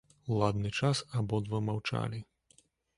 Ладны час абодва маўчалі.